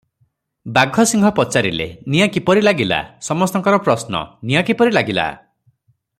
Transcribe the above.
ବାଘସିଂହ ପଚାରିଲେ, "ନିଆଁ କିପରି ଲାଗିଲା?" ସମସ୍ତଙ୍କର ପ୍ରଶ୍ନ - ନିଆଁ କିପରି ଲାଗିଲା?